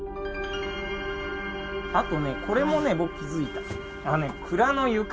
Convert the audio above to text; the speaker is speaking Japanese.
あとねこれもね僕気付いた。